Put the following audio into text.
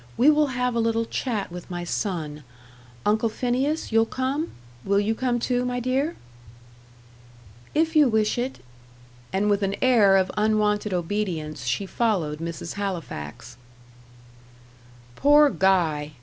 We will have a little chat with my son. Uncle Phineas, you'll come? Will you come, too, my dear?" "If you wish it." And with an air of unwonted obedience, she followed Mrs. Halifax. Poor Guy!